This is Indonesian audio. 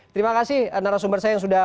terima kasih narasumber saya yang sudah